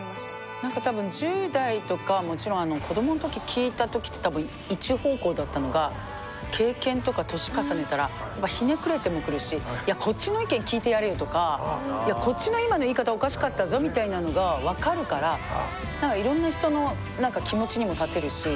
なんか多分１０代とかもちろん子供のとき聞いたときって一方向だったのが経験とか年重ねたらひねくれてもくるし「いやこっちの意見聞いてやれよ」とか「いやこっちの今の言い方おかしかったぞ」みたいなのが分かるからなんかいろんな人の気持ちにも立てるし。